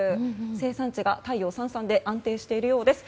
生産地が太陽さんさんで安定しているようです。